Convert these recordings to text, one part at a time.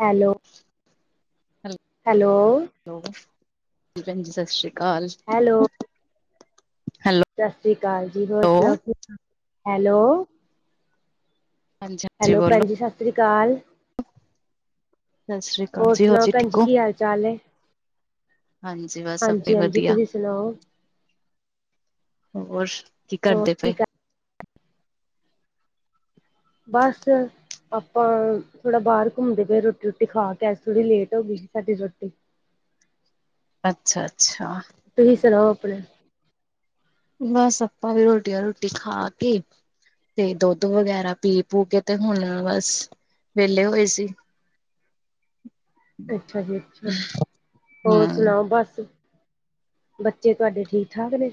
Hello. Hello hello ਜੀ ਭੈਣ ਜੀ ਸਾਸ਼੍ਰੀਕਾਲ। ਹੈਲੋ। ਸਾਸਰੀਕਾਲ ਜੀ ਹੋਰ ਹੈਲੋ। ਸੁਣਾਓ ਕੀ ਹੈਲੋ! ਹੰਜੀ ਹੈਲੋ! ਭੈਣ ਜੀ, ਸਾਸਰੀਕਾਲ। ਸਾਸਰੀਕਾਲ ਜੀ ਹੋਰ ਸੁਣਾਓ ਜੀ, ਭੈਣ ਠੀਕ ਔ? ਕੀ ਹਾਲ ਚਾਲ ਏ? ਹਾਂਜੀ! ਬਸ ਆਪੇ ਹਾਂਜੀ-ਹਾਂਜੀ ਵਧੀਆ। ਤੁਸੀਂ ਸੁਣਾਓ ਹੋਰ ਕੀ ਹੋਰ ਕਰਦੇ ਪਏ? ਬਸ ਆਪਾਂ ਥੋੜਾ ਬਾਰ ਘੁੰਮਦੇ ਪਏ ਰੋਟੀ- ਰੁੱਟੀ ਖਾ ਕੇ ਅਜ ਥੋੜ੍ਹੀ ਲੇਟ ਹੋ ਗੀ ਸੀ ਸਾਡੀ ਰੋਟੀ। ਅੱਛਾ ਅੱਛਾ। ਤੁਸੀ ਸੁਣਾਓ ਆਪਣੇ ਬਸ ਆਪਾਂ ਵੀ ਰੋਟੀਆਂ ਰੁਟੀ ਖਾ ਕੇ ਤੇ ਦੋਦ ਵਗੈਰਾ ਪੀ ਪੂ ਕੇ ਤੇ ਹੁਣ ਬਸ ਵੇਲੇ ਹੋਏ ਸੀ। ਅੱਛਾ ਜੀ ਅੱਛਾ ਹੋਰ ਹਮ। ਸੁਣਾਓ ਬਸ? ਬੱਚੇ ਤੁਆਡੇ ਠੀਕ ਠਾਕ ਨੇ?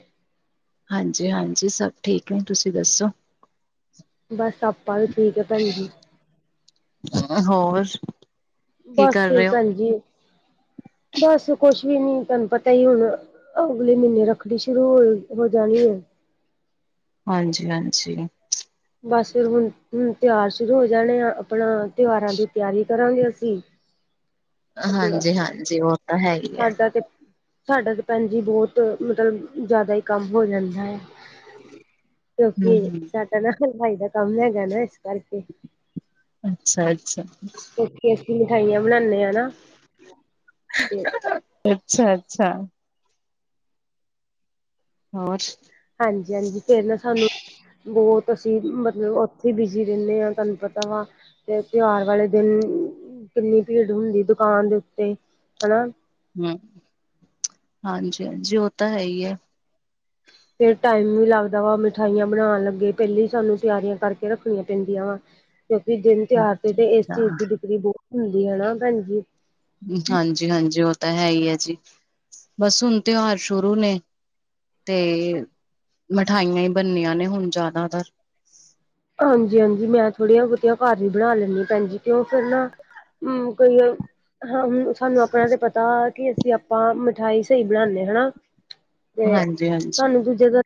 ਹਾਂਜੀ, ਹਾਂਜੀ ਸਭ ਠੀਕ ਨੇ ਤੁਸੀ ਦੱਸੋ? ਬਸ ਆਪਾ ਵੀ ਠੀਕ ਐ ਭੈਣ ਜੀ। ਹੋਰ ਕੀ ਬਸ ਕਰ ਰਹੇ ਹੋ। ਭੈਣਜੀ ਬਸ ਕੁਛ ਨੀ ਹੁਣ ਤਾਨੂੰ ਪਤਾ ਈ ਹੁਣ ਅਗਲੇ ਮੀਨੇ ਰੱਖਣੀ ਸ਼ੁਰੂ ਹੋ ਹੋ ਜਾਣੀ ਐ। ਹਾਂਜੀ ਹਾਂਜੀ। ਬਸ ਫਿਰ, ਹੁਣ ਹੁਣ ਤਿਹਾਰ ਸ਼ੁਰੂ ਹੋ ਜਾਣੇ ਆ ਆਪਣਾ ਤਿਉਹਾਰਾਂ ਦੀ ਤਿਆਰੀ ਕਰਾਂਗੇ ਅਸੀਂ। ਅੱਗਲਾ ਹਾਂਜੀ ਹਾਂਜੀ ਉਹ ਤਾਂ ਹੈ ਹੀ ਹੈ। ਸਾਡਾ ਤੇ ਸਾਡਾ ਤਾਂ ਭੈਣ ਜੀ, ਬਹੁਤ ਮਤਲਬ ਜ਼ਿਆਦਾ ਈ ਕੰਮ ਹੋ ਜਾਂਦਾ ਐ। ਹਮ ਕਿਉਂਕਿ ਹਮ। ਸਾਡਾ ਨਾ ਹਲਵਾਈ ਦਾ ਕੰਮ ਹੈਗਾ ਨਾ ਇਸ ਕਰਕੇ। ਅੱਛਾ ਅੱਛਾ। ਟੇਸਟੀ ਮਿਠਾਈਆਂ ਬਣਾਨੇ ਆ ਨਾ ਤੇ ਅੱਛਾ ਅੱਛਾ। ਹੋਰ ਹਾਂਜੀ ਹਾਂਜੀ! ਫੇਰ ਨਾ ਸਾਨੂੰ ਬੌਤ ਅਸੀਂ ਮਤਲ ਓਥੇ ਈ ਬਿਜ਼ੀ ਰੇਨੇ ਆਂ ਤਾਨੂੰ ਪਤਾ ਵਾ ਤੇ ਤਿਉਹਾਰ ਵਾਲੇ ਦਿਨ ਕਿੰਨੀ ਭੀੜ ਹੁੰਦੀ ਦੁਕਾਨ ਦੇ ਉੱਤੇ ਹਨਾ। ਹੁੰ, ਹਾਂਜੀ ਹਾਂਜੀ ਓ ਤਾਂ ਹੈ ਈ ਐ। ਫਿਰ ਟਾਈਮ ਵੀ ਲੱਗਦਾ ਵਾ ਮਿਠਾਈਆਂ ਬਣਾਉਣ ਲੱਗੇ, ਪਹਿਲੇਾਂ ਹੀ ਸਾਨੂੰ ਤਿਆਰੀਆਂ ਕਰਕੇ ਰੱਖਣੀਆਂ ਪੈਂਦੀਆਂ ਵਾ। ਕਿਉਂਕਿ ਦਿਨ ਤਿਉਹਾਰ ਤੇ ਤੇ ਇਸ ਅੱਛਾ-ਅੱਛਾ। ਚੀਜ਼ ਦੀ ਬੀਕਰੀ ਬਹੁਤ ਹੁੰਦੀ ਹਨਾ ਭੈਣ ਜ। ਹਾਂਜੀ ਹਾਂਜੀ! ਉਹ ਤਾਂ ਹੈ ਹੀ ਹੈ ਜੀ ਬਸ ਹੁਣ ਤਿਉਹਾਰ ਸ਼ੁਰੂ ਨੇ ਤੇ ਮਠਾਈਆਂ ਹੀ ਬਣਨੀਆਂ ਨੇ ਹੁਣ ਜ਼ਿਆਦਾਤਰ। ਹਾਂਜੀ ਹਾਂਜੀ! ਮੈਂ ਥੋੜੀੀਆਂ ਬੋਤਿਆ ਘਰ ਵੀ ਬਣਾ ਲੈਂਦੀ ਹ ਭੈਣਜੀ ਤੇਂ ਫਿਰ ਨਾ ਹਮ ਕਈ ਆ ਹਾਂ ਹੁਣ ਸਾਨੂੰ ਆਪਣੇ ਤੇ ਪਤਾ ਕਿ ਅਸੀਂ ਆਪਾਂ ਮਿਠਿਆਾਈ ਸਹੀ ਬਣਾਉਦੇ ਹਨਾ। ਤੇ ਹਾਂਜੀ-ਹਾਂਜੀ। ਸਾਨੂੰ ਦੂਜੇ ਤ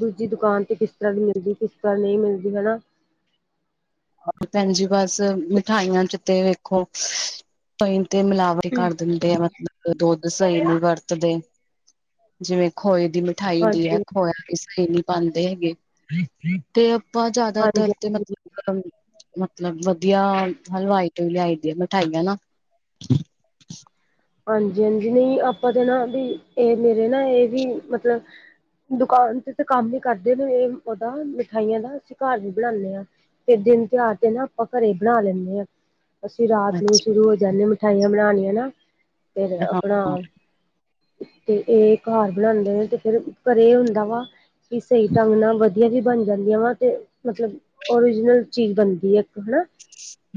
ਦੂਜੀ ਦੁਕਾਨ ਤੇ ਕਿਸ ਤਰ੍ਹਾਂ ਦੀ ਮਿਲਦੀ ਜੁਗੀ ਕਲ ਨਹੀਂ ਮਿਲਦੀ ਹਨਾ। ਭੈਣ ਜੀ ਬਸ ਮਿਠਾਈਆਂ ਚ ਤੇ ਵੇਖੋ ਪਣੀ ਤੇ ਮਿਲਾਵਟ ਕਰ ਦਿੰਦੇ ਆ ਮਤਲਬ ਦੁੱਧ ਸਹੀ ਨ ਵਰਤਦੇ ਜਿਵੇਂ ਖੋਏ ਦੀ ਮਿੱਟੀ ਮਿਠਾਈ ਹੁੰਦੀ ਹੈ ਹਾਂਜੀ ਖੋਇਆ ਕਿਸ ਨੀ ਪਾਉਦੇ ਹੈਗੇ। ਤੇ ਆਪਾਂ ਹਾਂਜੀ ਜਿਆਦਾਤਰ ਤੇ ਹਾਂਜੀ ਮਤਲਬ ਮਤਲਬ ਵਧੀਆ ਹਲਵਾਈ ਤੋਂ ਲਿਆਈ ਦੀ ਹੈ ਮਿਠਾਈਆਂ ਨਾ ਹਾਂਜੀ ਹਾਂਜੀ ਨਹੀਂ ਆਪਾਂ ਤੇ ਨਾ ਵੀ ਇਹ ਮੇਰੇ ਨਾ ਇਹ ਵੀ ਮਤਲਬ ਦੁਕਾਨ ਤੇ ਤੇ ਕੰਮ ਨ ਕਰਦੇ ਇਹ ਉਹਦਾ ਮਿਠਾਈਆਂ ਦਾ ਅਸੀਂ ਘਰ ਵੀ ਬਣਾਉਦੇ ਹਾਂ ਫਿਰ ਦਿਨ ਤਿਉਹਾਰ ਤੇ ਨਾ ਆਪਾਂ ਘਰੇ ਬਣਾ ਲੈਂਦੇ ਹਾਂ ਅਸੀਂ ਰਾਤ ਨੂੰ ਅੱਛਾ ਸ਼ੁਰੂ ਹੋ ਜਾਂਦੇ ਮਿਠਾਈਆਂ ਬਣਾਉਣੀਆਂ ਨਾ ਫਿਰ ਹਾਂ। ਆਪਣਾ ਤੇ ਇਹ ਘਰ ਬਣਾਉਦੇ ਨੇ ਤੇ ਫੇਿਰ ਘਰੇ ਹੁੰਦਾ ਵਾ ਵੀ ਸਹੀ ਢੰਗ ਨਾਲ ਵਧੀਆ ਵੀ ਬਣ ਜਾਂਦੀਆਂ ਵਾ ਤੇ ਮਤਲਬ ਓਰੀਜਨਲ ਚੀਜ਼ ਬਣਦੀ ਹੈ ਇੱਕ ਹਨਾ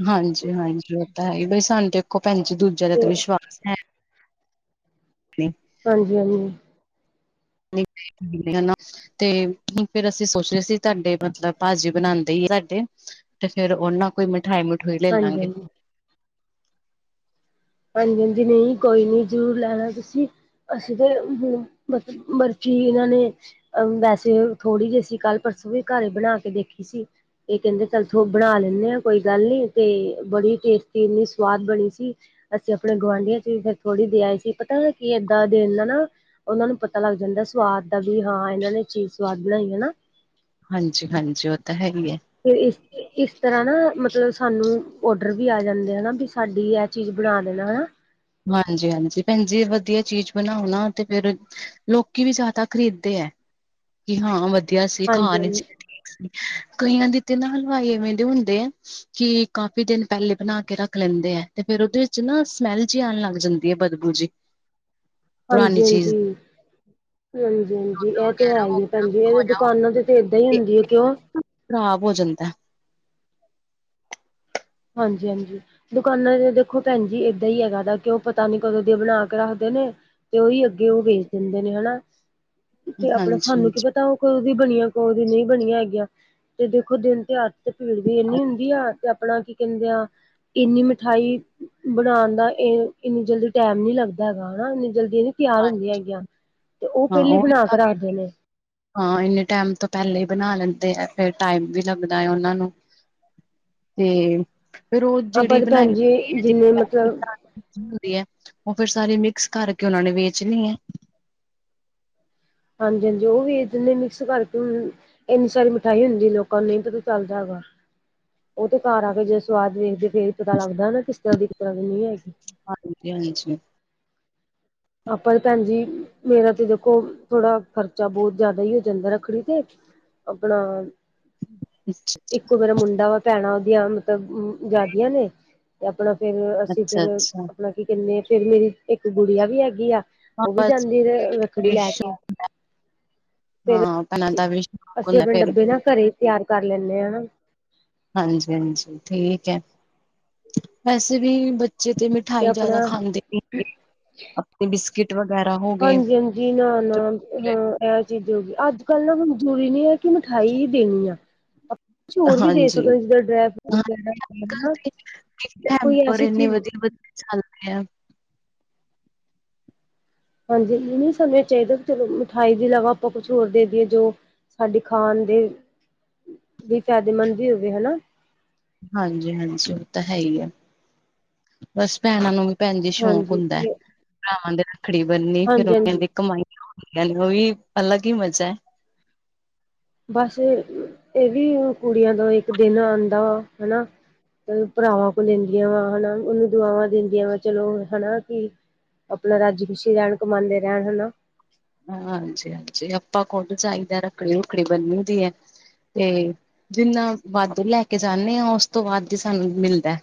ਹਾਂਜੀ ਹਾਂਜੀ ਉਹ ਤਾਂ ਹੈਗੀ ਬਾਈ ਸਾਨੂੰ ਤੇ ਇੱਕੋ ਭੈਣਜੀ ਦੂਜੇ ਦਾ ਤੇ ਵਿਸ਼ਵਾਸ ਹੈ ਹਾਂਜੀ ਹਾਂਜੀ ਨਈ ਨਈ ਤੇ ਹੈ ਫੇਰ ਅਸੀਂ ਸੋਚ ਰਹੇ ਸੀ ਤੁਹਾਡੇ ਮਤਲਬ ਭਾਜੀ ਬਣਾਉਂਦੇ ਹੀ ਤੁਹਾਡੇ ਤੇ ਫੇਰ ਉਹਨਾਂ ਕੋਈ ਮਿਠਾਈ ਮਠੂਈ ਲੈ ਹਾਂਜੀ ਲਾਂਗੇ ਹਾਂਜੀ ਹਾਂਜੀ ਹਾਂਜੀ ਨਹੀਂ ਕੋਈ ਨੀ ਜ਼ਰੂਰ ਲੈਣਾ ਤੁਸੀਂ ਅਸੀਂ ਤੇ ਹ ਮਤਲਬ ਮਰਜ਼ੀ ਇਹਨਾਂ ਨੇ ਅ ਵੈਸੇ ਥੋੜ੍ਹੀ ਜਿਹੀ ਸੀਂ ਕੱਲ੍ਹ ਪਰਸੋਂ ਵੀ ਘਰ ਬਣਾ ਕੇ ਦੇਖੀ ਸੀ ਇਹ ਕਹਿੰਦੇ ਚੱਲ ਤੋ ਬਣਾ ਲੈਂਦੇੇ ਆ ਕੋਈ ਗੱਲ ਨੀ ਤੇ ਬੜੀ ਟੇਸਟੀ ਇੰਨੀ ਸਵਾਦ ਬਣੀ ਸੀ ਅਸੀਂ ਆਪਣੇ ਗੁਆਂਢੀਆਂ ਚ ਵੀ ਫਿਰ ਥੋੜ੍ਹੀ ਦੇ ਆਏ ਸੀ ਪਤਾ ਕੀ ਏਦਾਂ ਦੇਨ ਨਾਲ ਨਾ ਉਹਨਾਂ ਨੂੰ ਪਤਾ ਲੱਗ ਜਾਂਦਾ ਸਵਾਦ ਦਾ ਵੀ ਹਾਂ ਇਹਨਾਂ ਨੇ ਚੀਜ਼ ਸਵਾਦ ਬਣਾਈ ਹੈ ਨਾ ਹਾਂਜੀ ਹਾਂਜੀ ਉਹ ਤਾਂ ਹੈ ਹੀ ਹੈ ਤੇ ਇਸ ਇਸ ਤਰ੍ਹਾਂ ਨਾ ਮਤਲਬ ਸਾਨੂੰ ਔਡਰ ਵੀ ਆ ਜਾਂਦੇ ਹਨਾ ਵੀ ਸਾਡੀ ਇਹ ਚੀਜ਼ ਬਣਾ ਦੇਣਾ ਨਾ ਹਾਂਜੀ ਹਾਂਜੀ ਭੈਣ ਜੀ ਵਧੀਆ ਚੀਜ਼ ਬਣਾਉਣਾ ਤੇ ਫਿਰ ਲੋਕੀ ਵੀ ਜ਼ਿਆਦਾਤਰ ਖ਼ਰੀਦਦੇ ਹੈ ਕਿ ਹਾਂ ਵਧੀਆ ਸੀ ਹਾਂਜੀ ਖਾਨ ਵਿਚ ਹਾਂਜੀ ਕਈਆਂ ਦੀ ਤੇ ਨਾ ਹਲਵਾਈ ਐਵੇਂ ਦੇ ਹੁੰਦੇ ਆ ਕਿ ਕਾਫੀ ਦਿਨ ਪਹਿਲੇ ਬਣਾ ਕੇ ਰੱਖ ਲੈਂਦੇ ਆ ਤੇ ਫੇਰ ਉਹਦੇ ਵਿੱਚ ਨਾ ਸਮੈਲ ਜਿ ਆਉਣ ਲੱਗ ਜਾਂਦਾ ਹਾਂਜੀ ਹਾਂਜੀ ਹਾਂਜੀ ਹਾਂਜੀ ਹਾਂਜੀ ਇਹ ਤੇ ਹੈ ਹੀ ਹੈ ਭੈਣਜੀ ਇਹਦੇ ਹੋਇਆ ਦੁਕਾਨਾਂ ਤੇ ਤੇ ਏਦਾਂ ਹੀ ਹੁੰਦੀ ਹੈ ਕਿਉ ਖ਼ਰਾਬ ਹੋ ਜਾਂਦਾ ਹਾਂਜੀ ਹਾਂਜੀ ਦੁਕਾਨਾਂ ਤੇ ਦੇਖੋ ਭੈਣ ਜੀ ਏਦਾਂ ਹੀ ਹੈਗਾ ਦਾ ਕਿ ਉਹ ਪਤਾ ਨੀ ਕਦੋਂ ਦੀ ਬਣਾ ਕੇ ਰੱਖਦੇ ਨੇ ਤੇ ਉਹੀ ਅੱਗੇ ਉਹ ਵੇਚ ਦਿੰਦੇ ਨੇ ਹਨਾ ਤੇ ਆਪਣਾ ਸਾਨੂੰ ਕੀ ਹਾਂਜੀ-ਹਾਂਜੀ ਪਤਾ ਉਹ ਕਦੋ ਦੀ ਬਨੀਆਂ ਕਦੋ ਦੀ ਨਹੀਂ ਬਨੀਆਂ ਹੈਗੀਆਂ। ਤੇ ਦੇਖੋ ਦਿਨ ਤਿਹਾਰ ਤੇ ਭੀੜ ਵੀ ਏਨੀ ਹੁੰਦੀ ਆ ਤੇ ਆਪਣਾ ਕੀ ਕਹਿੰਦੇ ਆ ਇੰਨੀ ਮਿਠਾਈ ਬਣਾਣ ਦਾ ਇਹ ਇੰਨੀ ਜਲਦੀ ਟਾਈਮ ਨੀ ਲੱਗਦਾ ਹੈਗਾ ਹਨਾ ਇੰਨੀ ਜਲਦੀ ਇਹਦੀ ਤਿਆਰ ਹੁੰਦੀਆਂ ਹੈਗੀਆਂ ਤੇ ਉਹ ਹਾਂ ਪਹਿਲੇ ਈ ਵੀ ਬਣਾ ਕੇ ਰਾਖਦੇ ਨੇ। ਹਾਂ ਇੰਨੇ ਟਾਈਮ ਤੋਂ ਪਹਿਲੇ ਹੀ ਬਨਾ ਲੈਂਦੇ ਆ ਫੇਰ ਟਾਈਮ ਵੀ ਲੱਗਦਾ ਹੈ ਉਹਨਾਂ ਨੂੰ [inaudible] ਤੇ ਫੇਰ ਉਹ ਆਪਾਂ ਜਿਹੜੀ ਤੇ ਬਣਾਈ ਭੈਣ ਜੀ ਹੋਦੀ ਜਿੰਨੇ ਹੈ ਮਤਲਬ ਹੁੰਦੀ ਹੈ ਉਹ ਫੇਰ ਸਾਰੀ ਮਿਕਸ ਕਰਕੇ ਉਹਨਾਂ ਨੇ ਵੇਚਨੀ ਹੈ। ਹਾਂਜੀ ਹਾਂਜੀ ਉਹ ਵੀ ਇਹਦੇ ਮਿਕਸ ਕਰਕੇ ਏਨੀ ਸਾਰੀ ਮਿਠਾਈ ਹੁੰਦੀ ਏ ਲੋਕਾਂ ਨੂੰ ਨਹੀਂ ਪਤਾ ਚਾਲਦਾ ਹੈਗਾ ਉਹ ਤੇ ਘਰ ਆ ਕੇ ਜਦੋਂ ਸਵਾਦ ਵੇਖਦੇ ਫੇਰ ਪਤਾ ਲੱਗਦਾ ਨਾ ਕਿਸ ਤਰ੍ਹਾਂ ਦੀ ਕਿਸ ਤਰ੍ਹਾਂ ਦੀ ਨਹੀਂ ਹੈਗੀ। ਹਾਂਜੀ ਹਾਂਜੀ। ਆਪਾਂ ਤੇ ਭੈਨ ਜੀ ਮੇਰਾ ਤੇ ਦੇਖੋ ਥੋੜਾ ਖ਼ਰਚਾ ਬਹੁਤ ਜ਼ਿਆਦਾ ਹੀ ਹੋ ਜਾਂਦਾ ਰੱਖੜੀ ਤੇ। ਅਪਣਾ ਇੱਕੋ ਮੇਰਾ ਮੁੰਡਾ ਵਾ ਭੈਣਾਂ ਉਹਦੀਆਂ ਮਤਲਬ ਜੈਦੀਆਂ ਨੇ। ਤੇ ਅਪਣਾ ਫੇਰ ਅਸੀਂ ਫੇਰ ਅੱਛਾ-ਅੱਛਾ ਅਪਣਾ ਕੀ ਕਹਿੰਦੇ, ਫੇਰ ਮੇਰੀ ਇੱਕ ਗੁੜੀਆ ਵੀ ਹੈਗੀ ਆਂ। ਹਾਂ ਓਹ ਵੀ ਬਸ ਜਾਂਦੀ ਵੇ ਰੱਖੜੀ ਲੈ ਕੇ। ਫੇਰ ਹਾਂ ਭੈਣਾਂ ਕੀ ਦਾ ਵੀ ਸ਼ੌਕ ਅਸੀਂ ਹੁੰਦਾ ਅਪਨੇ ਫਿਰ ਡੱਬੇ ਨਾ ਘਰੇ ਤਿਆਰ ਕਰ ਲੈਂਨੇ ਆ ਨਾਂ। ਹਾਂਜੀ- ਹਾਂਜੀ ਠੀਕ ਏ, ਵੈਸੇ ਵੀ ਬੱਚੇ ਤੇ ਮਿੱ ਮਿਠਾਈ ਜ਼ਿਆਦਾ ਖਾਂਦੇ ਨੀ ਹੇਗੇ, ਅਪਨੇ ਬਿਸਕਿਟ ਵਗੈਰਾ ਹੋ ਗਏ। ਜੀ ਨਾ ਨਾ ਹਾਂ ਏਹ ਚੀਜ਼ ਹੋਗੀ, ਅੱਜ- ਕੱਲ ਨਾ ਹੂਨ ਜੂਰੀ ਨੀ ਐ ਕਿ ਮਿਠਾਈ ਹੀ ਦੇਨੀ ਆ, ਆਪਾਂ ਕੁਛ ਹੋਰ ਵੀ ਦੇ ਹਾਂਜੀ ਸਕਦੇ, ਜਿੱਦਾਂ ਡਰਾਈ ਫਰੂਟ ਵਗੈਰਾ ਹੈਨਾ। ਗਿਫਟ-ਹੈਮਪਰ ਇੰਨੇ ਵਧੀਆਂ- ਵਧੀਆਂ ਚਾਲਦੇ ਆ। ਹਾਂਜੀ ਏਹ ਨਹੀਂ ਸਾਨੂੰ ਏਹ ਚਾਹੀਦਾ ਵੀ ਚਲੋ ਮਿਠਾਈ ਦੇ ਇਲਾਵਾ ਆਪਾਂ ਕੁਛ ਹੋਰ ਦੇ ਦਿਏ ਜੋ ਸਾਡੇ ਖਾਨ ਦੇ ਵੀ ਫਾਇਦੇਮੰਦ ਵੀ ਹੋਵੇ ਹਨਾ। ਹਾਂਜੀ- ਹਾਂਜੀ ਓਹ ਤਾਂ ਹੈ ਈ ਆ, ਬਸ ਭੈਣਾਂ ਨੂੰ ਵੀ ਭੈਨ ਜੀ ਸ਼ੌਂਕ ਹਾਂਜੀ ਹੁੰਦਾ, ਤੇ ਭਰਾਵਾਂ ਦੇ ਰੱਖੜੀ ਬਨਨੀ ਫੇਰ ਹਾਂਜੀ ਓਹਨਾ ਹਾਂਜੀ ਦੀ ਕਮਾਈਆ [unintelligible] ਅਲੱਗ ਹੀ ਮਜ਼ਾ ਐ। [unintelligible] ਬਸ ਏਹ ਏਹ ਵੀ ਹੁਨ ਕੁੜੀਆਂ ਦਾ ਇੱਕ ਦਿਨ ਆਂਦਾ ਹਨਾ। ਓ ਭਰਾਵਾਂ ਕੋਲ ਲੈਂਦੀਆਂ ਵਾ ਹਨਾ, ਓਹਨੂੰ ਦੁਆਵਾਂ ਦੇਂਦੀਆਂ ਵਾ ਚਲੋ ਹਨਾ ਕੀ ਅਪਨਾ ਰਾਜੀ- ਖੂਸ਼ੀ ਰਹਿਣ, ਕਮਾਂਦੇ ਰਹਿਣ ਹਨਾ। ਹਾਂਜੀ -ਹਾਂਜੀ ਆਪਾਂ ਖੁੱਦ ਜਾਇਦਾ, ਰੱਖੜੀ- ਰੁੱਖੜੀ ਬੰਨੀ ਦੀ ਐ। ਤੇ ਜਿੰਨਾ ਵਾਧੁ ਲੈ- ਕੇ ਜਾਂਨੇ ਆਂ, ਓਸ ਤੋਂ ਵੱਧ ਈ ਸਾਨੂੰ ਮਿਲਦਾ।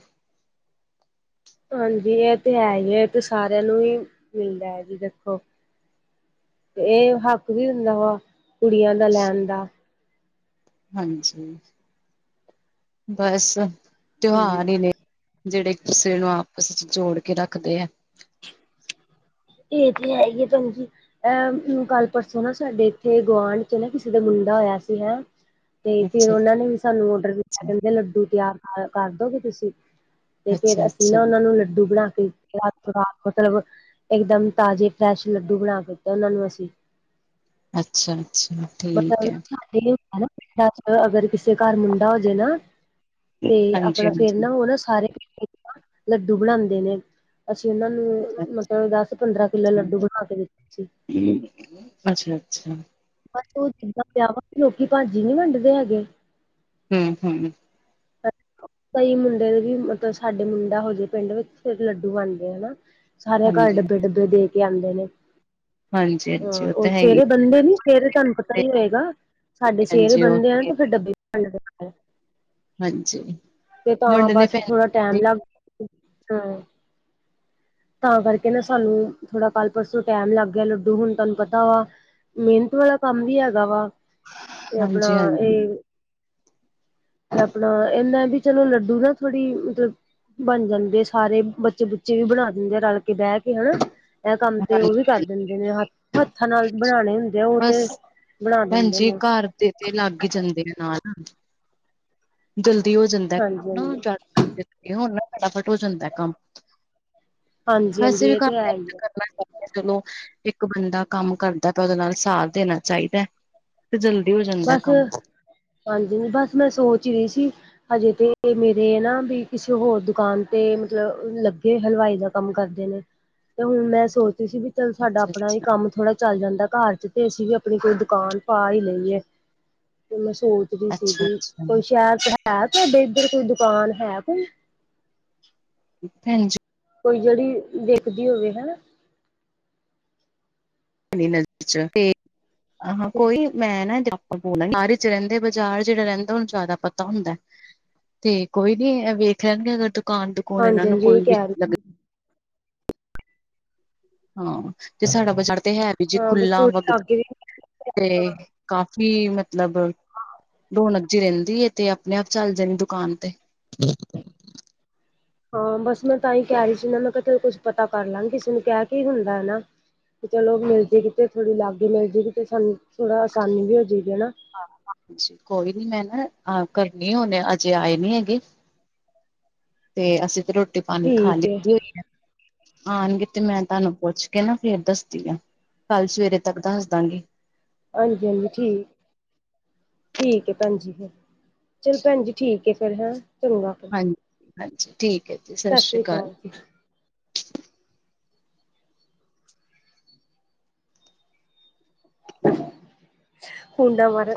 ਹਾਂਜੀ, ਇਹ ਤੇ ਹੈ ਈ ਐ, ਇਹ ਤੇ ਸਾਰਿਆਂ ਨੂੰ ਹੀ ਮਿਲਦਾ ਹੈ ਜੀ ਦੇਖੋ ਤੇ ਏਹ ਹੱਕ ਵੀ ਹੁੰਦਾ ਵਾ, ਕੁੜੀਆਂ ਦਾ ਲੈਨ ਦਾ। ਹਾਂਜੀ ਬਸ ਤਿਉਹਾਰ ਹੂੰ। ਈ ਨੇ। ਜੇਹੜੇ ਇਕ ਦੁਸਰੇ ਨੂੰ ਆਪਸ 'ਚ ਜੋੜ ਕੇ ਰੱਖਦੇ ਐ। [unintelligible] [inaudible] ਏਹ ਤੇ ਹੈ ਈ ਏ ਭੈਨ ਜੀ। ਏਹ ਕੱਲ- ਪਰਸੋਂ ਨਾ ਸਾਡੇ ਇੱਥੇ ਗੁਆਂਢ 'ਚ ਨਾ ਕਿਸੇ ਦਾ ਮੁੰਡਾ ਹੋਇਆ ਸੀ ਹੈਂ। ਤੇ ਫੇਰ ਅੱਛਾ-ਅੱਛਾ, ਓਹਨਾਂ ਨੇ ਵੀ ਸਾਨੂੰ ਔਡਰ ਦਿੱਤਾ, ਕਹਿੰਦੇ ਲੱਡੂ ਤਿਆਰ ਕਰ -ਕਰ ਦੋਗੇ ਤੁਸੀਂ? ਤੇ ਫੇਰ ਅਸੀਂ ਅੱਛਾ-ਅੱਛਾ। ਨਾ ਓਹਨਾ ਨੂੰ ਲੱਡੂ ਬਣਾ ਕੇ [unintelligible] ਮਤਲਬ [unintelligible] ਇਕ ਦਮ ਤਾਜ਼ੇ ਫਰੈਸ਼ ਲੱਡੂ ਬਣਾ ਕੇ ਦਿੱਤੇ ਉਹਨਾਂ ਨੂੰ ਅਸੀਂ। ਅੱਛਾ ਅੱਛਾ। [unintelligible] ਅਗਰ ਕਿਸੇ ਘਰ ਮੁੰਡਾ ਹੋ ਜੇ ਨਾ ਤੇ ਆਪਣਾ ਫੇਰ ਹਾਂਜੀ-ਹਾਂਜੀ ਨਾ ਓਹ ਨਾ ਸਾਰੇ ਮਿਲ ਕਰਨਾ ਲੱਡੂ ਬਣਾਂਦੇ ਨੇ। ਅਸੀਂ ਓਹਨਾਂ ਨੂੰ ਮਤਲਬ ਦਸ ਪੰਦਰਾਂ ਕਿੱਲੋ ਲੱਡੂ ਬਣਾ ਕੇ ਦਿੱਤੇ ਸੀ। [unintelligible] ਅੱਛਾ ਅੱਛਾ। ਬਸ ਓਹ ਜਿੱਦਾਂ ਵਿਆਹ ਵਾ 'ਚ ਲੋਕੀ ਭਾਜੀ ਨੀ ਵੰਡਦੇ ਹੈਗੇ। ਹੂ ਹੂ। ਕੋਈ ਮੁੰਡੇ ਵੀ ਮਤਲਬ ਸਾਡੇ ਮੁੰਡਾ ਹੋ ਜੇ ਪਿੰਡ ਵਿੱਚ, ਫੇਰ ਲੱਡੂ ਵੰਡਦੇ ਹਨਾ। ਸਾਰੇਆਂ ਕਾਰਡ ਹਾਂਜੀ। ਪਿੰਡ ਨੂੰ ਦੇ ਕੇ ਆਂਦੇ ਨੇ ਹਾ ਹਾਂਜੀ-ਹਾਂਜੀ ਉਹ ਓਹ ਤਾਂ ਹੈ ਹੀ ਸੇਰੇ ਬੰਦੇ ਨੀ ਸ਼ੇਹਰੇ ਤੁਹਾਨੂੰ ਪਤਾ ਹੈ ਹੀ ਹੋਏਗਾ, ਸਾਡੇ ਸ਼ੇਹਰੇ ਹਾਂਜੀ ਬੰਦੇ ਆ ਓਕੇ ਤੇ ਫੇਰ ਡੱਬੇ ਵੀ ਵੰਡਦੇ ਹਾਂਜੀ। ਤੇ ਤਾਂ ਵੰਡਣੇ ਬਸ ਥੋੜਾ ਟਾਈਮ ਪੈਂਦੇ ਲੱਗ ਹੂ ਤਾਂ ਕਰਕੇ ਨਾ ਸਾਨੂੰ ਥੋੜਾ ਕੱਲ੍ਹ ਪਰਸੋਂ ਟੈਮ ਲੱਗ ਗਿਆ ਲੱਡੂ ਹੂਨ ਤੁਹਾਨੂੰ ਪਤਾ ਵਾ ਮਿਹਨਤ ਵਾਲਾ ਕੰਮ ਵੀ ਹੈਗਾ ਵਾ ਤੇ ਆਪਣਾ ਹਾਂਜੀ-ਹਾਂਜੀ, ਇਹ ਤੇ ਆਪਣਾ ਏਹਨਾ ਵੀ ਚਲੋ ਲੱਡੂ ਨਾ ਥੋੜ੍ਹੀ ਮਤਲਬ ਬਨ ਜਾਂਦੇ ਸਾਰੇ, ਬੱਚੇ ਬੁੱਚੇ ਵੀ ਬਣਾ ਜੇ ਰਲ ਕੇ, ਬੈਹਿ ਕੇ ਹਨਾ ਏਹ ਕੰਮ ਤੇ ਓਹ ਵੀ ਕਰ ਹਾਂਜੀ ਦਿੰਦੇ ਨੇ ਹੱਥ ਤੇ ਹੱਥਾਂ ਨਾਲ ਬਣਾ ਲੈਂਦੇ ਓਹ ਤੇ ਬਸ ਬਣਾ ਦਿੰਦੇ ਭੈਣਜੀ ਨੇ। ਘਰ ਦੇ ਤੇ ਲੱਗ ਈ ਜਾਂਦੇ ਨੇ ਨਾਲ ਹੂ ਜਲਦੀ ਹੋ ਜਾਂਦਾ ਏ ਹਾਂਜੀ ਕਾਮ ਹਾਂਜੀ ਨਾ ਹੁਣ ਫਟਾਫਟ ਹੋ ਜਾਂਦਾ ਏ ਕੰਮ ਹਾਂਜੀ ਵੈਸੇ ਹਾਂਜੀ ਵੀ ਇਹ ਕੰਮ ਹੈ ਮੈਹੀ ਹੀ ਤੇ ਹੈ ਕਰਨਾ ਏ। ਮੈ ਕਿਹਾ ਚਲੋ ਏਕ ਬੰਦਾ ਕੰਮ ਕਰਦਾ ਪਯਾ ਏ, ਓਹਦੇ ਨਾਲ ਸਾਥ ਦੇਨਾ ਚਾਹੀਦਾ ਐ। ਤੇ ਜਲਦੀ ਹੋ ਜਾਂਦਾ ਬਸ ਕੰਮ ਹਾਂਜੀ ਬਸ ਮੈਂ ਸੋਚ ਹੀ ਰਹੀ ਸੀ ਹਜੇ ਤੇ ਮੇਰੇ ਨਾ ਵੀ ਕਿਸੇ ਹੋਰ ਦੁਕਾਨ ਤੇ ਮਤਲਬ ਲੱਗੇ ਹਲਵਾਈ ਦਾ ਕੰਮ ਕਰਦੇ ਨੇ ਤੇ ਹੁਣ ਮੈਂ ਸੋਚਦੀ ਸੀ ਵੀ ਚਲ ਸਾਡਾ ਆਪਣਾ ਅੱਛਾ-ਅੱਛਾ ਵੀ ਕੰਮ ਥੋੜਾ ਚੱਲ ਜਾਂਦਾ ਘਰ ਚ ਤੇ ਅਸੀਂ ਵੀ ਆਪਣੀ ਕੋਈ ਦੁਕਾਨ ਪਾ ਹੀ ਲਈਏ ਤੇ ਮੈਂ ਸੋਚਦੀ ਸੀਗੀ ਅੱਛਾ-ਅੱਛਾ ਕੋਈ ਸ਼ਹਿਰ ਹੈ ਤੁਹਾਡੇ ਇੱਧਰ ਕੋਈ ਦੁਕਾਨ ਹੈ ਕੋਈ ਹਾਂਜੀ ਕੋਈ ਜਿਹੜੀ ਦੇਖਦੀ ਹੋਵੇ ਹਨਾ ਤੇਰੀ ਨਜ਼ਰ ਚ ਤੇ ਆਹਾਂ ਕੋਈ ਮੈਂ ਨਾ ਆਪ ਬੋਲ ਬਚ ਰਹਿੰਦੇ ਬਾਜ਼ਾਰ ਜਿਹੜਾ ਰਹਿੰਦਾ ਉਹਨੂੰ ਜ਼ਿਆਦਾ ਪਤਾ ਹੁੰਦਾ ਤੇ ਕੋਈ ਨੀ ਇਹ ਵੇਖ ਲੈਣਗੇ ਅਗਰ ਦੁਕਾਨ ਦੁਕੁਨ ਇਹਨਾਂ ਹਾਂਜੀ ਨੂੰ ਹਾਂਜੀ ਇਹ ਕੋਈ ਵੀ ਕਹਿ ਰਹੀ ਲੱਗਦੀ ਸੀ ਹਾਂ ਤੇ ਸਾਡਾ ਬਜ਼ਾਰ ਤੇ ਹੈ ਵੀ ਜੀ ਹਾਂ ਬਸ ਖੁਲਾ ਥੋੜੀ ਵਗਦਾ ਲਾਗੇ ਵੀ ਤੇ ਕਾਫੀ ਮਤਲਬ ਦੋਨਾਂ ਜੈ ਰਹਿੰਦੀ ਤੇ ਆਪਣੇ ਆਪ ਚੱਲ ਜਾਣੀ ਦੁਕਾਨ ਤੇ ਹਾਂ ਬਸ ਮੈਂ ਤਾਂ ਹੀ ਕਹਿ ਰਹੀ ਸੀ ਨਾ ਮੈਂ ਕਿਹਾ ਕੁਛ ਪਤਾ ਕਰ ਲਾਂਗੀ ਕਿਸੇ ਨੂੰ ਕਹਿ ਕੀ ਹੁੰਦਾ ਹੈ ਨਾ ਤੇ ਚਲੋ ਮਿਲ ਜ ਕਿਤੇ ਥੋੜ੍ਹੀ ਲਾਗੇ ਮਿਲ ਜਏ ਕਿਤੇ ਸਾਨੂੰ ਥੋੜਾ ਆਸਾਨੀ ਵੀ ਹੋ ਜਾਏਗੀ ਆ ਹਾਂਜੀ ਕੋਈ ਨੀ ਮੈਂ ਨਾ ਕਰਨੀ ਹੁਨ ਅਜੇ ਆਏ ਨੀ ਹੈਗੇ ਤੇ ਅਸੀਂ ਤੇ ਰੋਟੀ ਪਾਣੀ ਖਾ ਠੀਕ ਹੈ ਲਿੱਤੀ ਹੋਈ ਐ ਆਉਣਗੇ ਤੇ ਮੈਂ ਤੁਹਾਨੂੰ ਪੁੱਛ ਕੇ ਨਾ ਫੇਰ ਦੱਸਦੀ ਆ ਕੱਲ ਸਵੇਰੇ ਤੱਕ ਦੱਸ ਦਾਂਗੀ ਹਾਂਜੀ ਹਾਂਜੀ ਠੀਕ ਠੀਕ ਹੈ ਭੈਣ ਜੀ ਫਿਰ ਚਲ ਭੈਣ ਜੀ ਠੀਕ ਹੈ ਫੇਿਰ ਹੈ ਚੰਗਾ ਫਿਰ ਹਾਂਜੀ ਹਾਂਜੀ ਠੀਕ ਹੈ ਜੀ ਸਤਿ ਸ਼੍ਰੀ ਅਕਾਲ ਜੀ ਹੁੰਡਾ ਮਾਰ